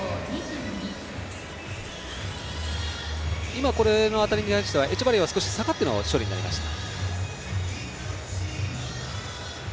今、この当たりに関してはエチェバリアは少し下がっての処理になりました。